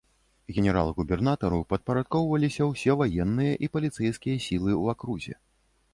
Генерал-губернатару падпарадкоўваліся ўсе ваенныя і паліцэйскія сілы ў акрузе.